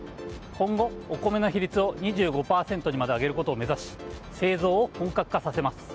今後、お米の比率を２５％にまで上げることを目指し製造を本格化させます。